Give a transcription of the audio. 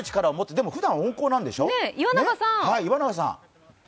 でもふだん、温厚なんでしょ？